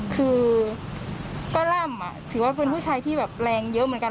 คือร่ำถือว่าเหมือนว่าเป็นผู้ชายที่แรงเยอะเหมือนกัน